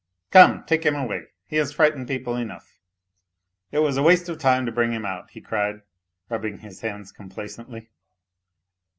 Come, take him away, he has frightened people enough. It was waste of time to bring him out," he cried, rubbing his hands complacently.